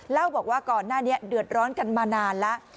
เล่าบอกว่าก่อนหน้านี้เดือดร้อนกันมานานแล้ว